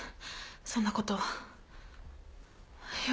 そんなことは。